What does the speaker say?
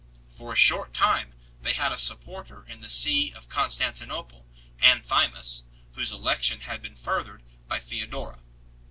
For a short time they had a supporter in the See of Constantinople, Anthimus, whose election had been furthered by Theodora.